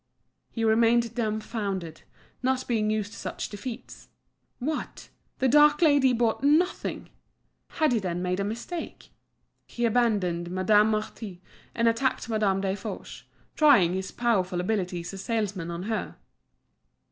He remained dumbfounded, not being used to such defeats. What! the dark lady bought nothing! Had he then made a mistake? He abandoned Madame Marty and attacked Madame Desforges, trying his powerful abilities as salesman on her.